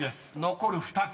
［残る２つ］